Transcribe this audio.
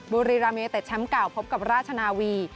บุรีราเมเต็ดแชมป์เก่าพบกับราชนาวี